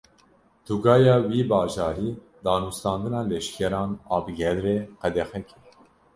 Tugaya wî bajarî, danûstandina leşkeran a bi gel re qedexe kir